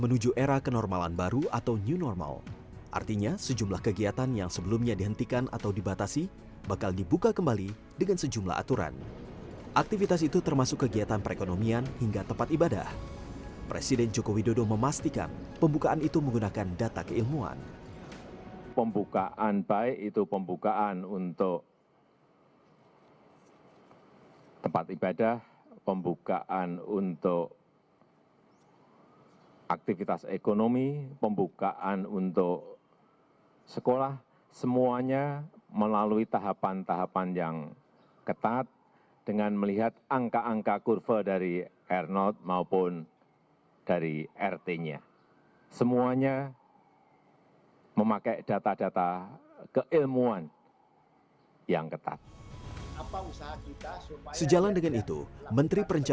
menjaga diri kita keluarga kita tercinta dan orang orang di sekitar kita